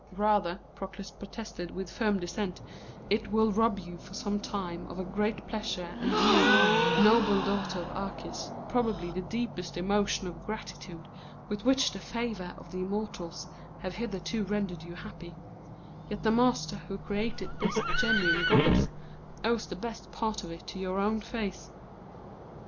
"Rather," Proclus protested with firm dissent, "it will rob you for some time of a great pleasure, and you, noble daughter of Archias, probably of the deepest emotion of gratitude with which the favour of the immortals has hitherto rendered you happy; yet the master who created this genuine goddess owes the best part of it to your own face."